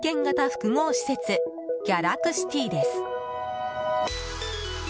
複合施設ギャラクシティです。